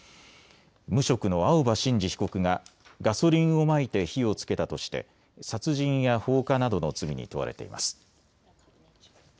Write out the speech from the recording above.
無職の青葉真司被告がガソリンをまいて火をつけたとして殺人や放火などの罪に問われています。